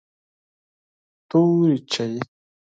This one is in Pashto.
توري چای